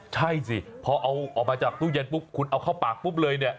ใช่สิพอเอาออกมาจากตู้เย็นปุ๊บคุณเอาเข้าปากปุ๊บเลยเนี่ย